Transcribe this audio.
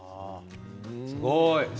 すごい！